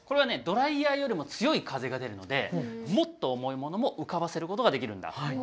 ドライヤーよりも強い風が出るのでもっとおもいものもうかばせることができるんだ。